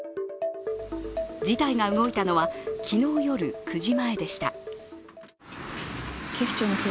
事態が動いたのは昨日夜９時前でした。